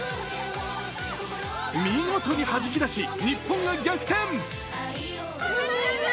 見事にはじき出し、日本が逆転。